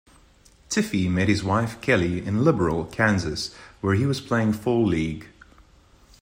Tiffee met his wife, Kelli, in Liberal, Kansas where he was playing fall league.